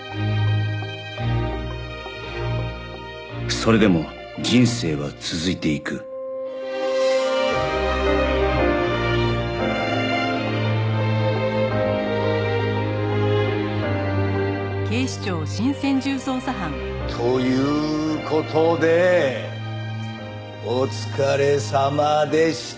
それでも人生は続いていくという事でお疲れさまでした！